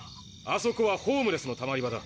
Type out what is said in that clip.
あそこはホームレスのたまり場だ。